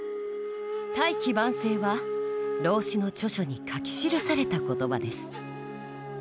「大器晩成」は老子の著書に書き記された言葉です。